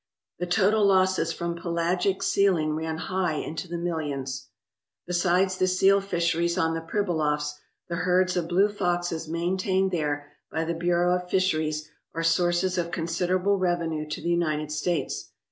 The total losses from pelagic sealing ran high into the millions. Besides the seal fisheries on the Pribilofs, the herds of blue foxes maintained there by the Bureau of Fisheries are sources of considerable revenue to the United States.